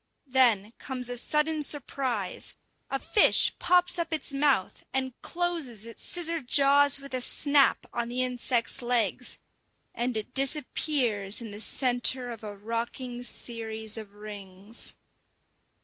Then comes a sudden surprise: a fish pops up its mouth, and closes its scissor jaws with a snap on the insect's legs, and it disappears in the centre of a rocking series of rings.